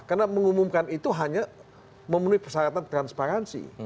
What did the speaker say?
karena mengumumkan itu hanya memenuhi persyaratan transparansi